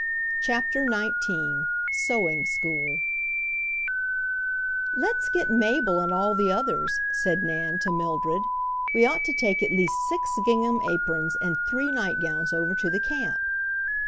CHAPTER XIX SEWING SCHOOL "Let's get Mabel and all the others," said Nan to Mildred. "We ought to take at least six gingham aprons and three nightgowns over to the camp."